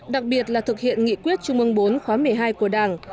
đặc biệt là thực hiện nghị quyết chung mương bốn khóa một mươi hai của đảng